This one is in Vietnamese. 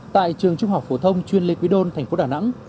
tại trường trung học phổ thông chuyên lê quý đôn thành phố đà nẵng